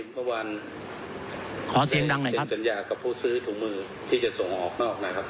มันสัญญากับผู้ซื้อถุงมือที่จะส่งออกมาออกนะครับ